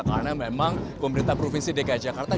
karena memang pemerintah provinsi dki jakarta